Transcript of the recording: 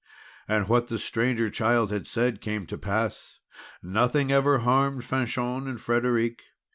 And what the Stranger Child had said, came to pass. Nothing ever harmed Fanchon and Frederic.